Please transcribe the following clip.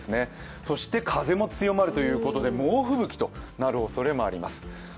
そして、風も強まるということで猛吹雪となるおそれもあります。